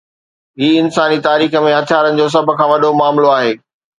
هي انساني تاريخ ۾ هٿيارن جو سڀ کان وڏو معاملو آهي.